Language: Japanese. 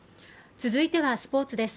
続いてはスポーツです。